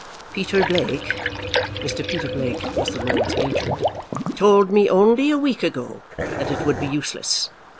Peter Blake" Mr. Peter Blake was the lord's agent "told me only a week ago that it would be useless.